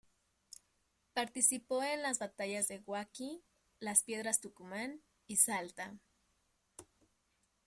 Participó en las batallas de Huaqui, Las Piedras Tucumán y Salta.